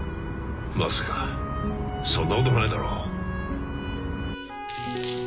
まさかそんなことないだろう。